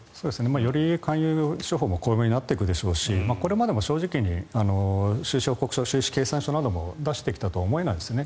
より勧誘商法も巧妙になっていくでしょうしこれまでも正直に収支報告収支計算書も出してきたとは思えないですね。